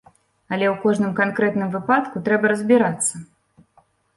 Але ў кожным канкрэтным выпадку трэба разбірацца.